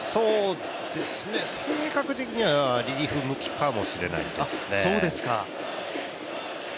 性格的にはリリーフ向きかもしれないですね。